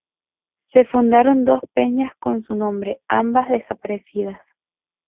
Se fundaron dos peñas con su nombre, ambas desaparecidas.